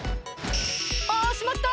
あしまった！